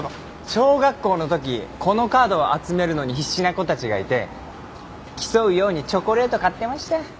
小学校の時このカードを集めるのに必死な子たちがいて競うようにチョコレート買ってました。